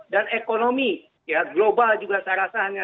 dan ekonomi global juga saya rasanya